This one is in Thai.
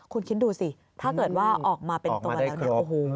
คุณคิดดูสิถ้าเกิดว่าออกมาเป็นตัวแล้ว